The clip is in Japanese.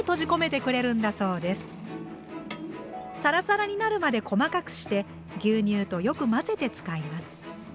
サラサラになるまで細かくして牛乳とよく混ぜて使います。